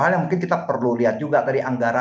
hal yang mungkin kita perlu lihat juga tadi anggaran